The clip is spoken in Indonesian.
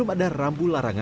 kami akan kerjasama